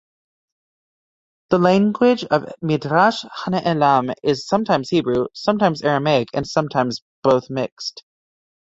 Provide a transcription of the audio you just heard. The language of "Midrash haNe'elam" is sometimes Hebrew, sometimes Aramaic, and sometimes both mixed.